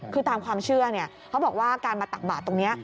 คือตามความเชื่อเขาบอกว่าการมาตักบาทตรงนี้